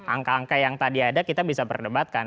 angka angka yang tadi ada kita bisa perdebatkan